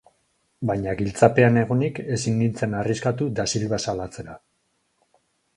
Baina giltzapean egonik ezin nintzen arriskatu Dasilva salatzera.